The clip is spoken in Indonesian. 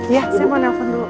ya saya mau nelfon dulu